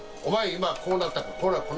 今こうなったろう。